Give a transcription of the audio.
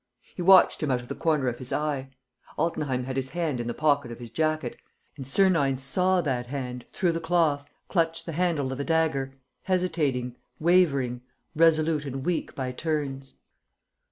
He watched him out of the corner of his eye. Altenheim had his hand in the pocket of his jacket; and Sernine saw that hand, through the cloth, clutch the handle of a dagger, hesitating, wavering, resolute and weak by turns.